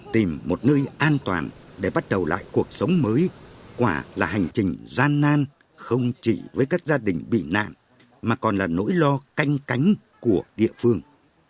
tìm một nơi an toàn để bắt đầu lại cuộc sống mới quả là hành trình gian nan không chỉ với các gia đình bị nạn mà còn là nỗi lo canh cánh của địa phương